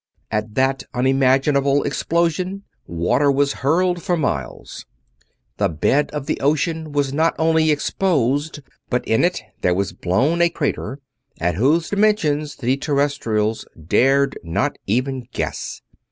At that unimaginable explosion water was hurled for miles. The bed of the ocean was not only exposed, but in it there was blown a crater at whose dimensions the Terrestrials dared not even guess.